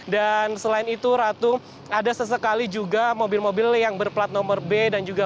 dan selain itu ratu ada sesekali juga mobil mobil yang berplat nomor b dan juga